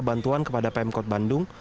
bantuan kepada pemkot bandung